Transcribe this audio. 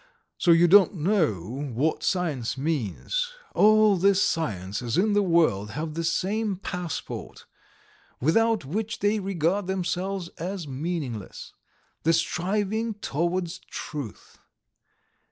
So you don't know what science means. All the sciences in the world have the same passport, without which they regard themselves as meaningless ... the striving towards truth!